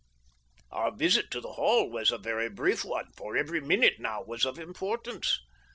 Our visit to the Hall was a very brief one, for every minute now was of importance.